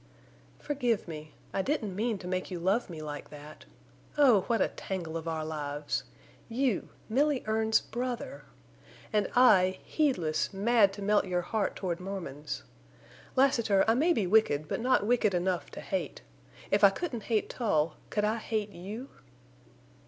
"Forgive me! I didn't mean to make you love me like that. Oh, what a tangle of our lives! You—Milly Erne's brother! And I—heedless, mad to melt your heart toward Mormons. Lassiter, I may be wicked but not wicked enough to hate. If I couldn't hate Tull, could I hate you?"